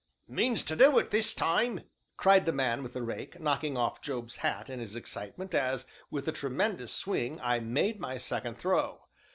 "Means to do it this time!" cried the man with the rake; knocking off Job's hat in his excitement, as, with a tremendous swing, I made my second throw.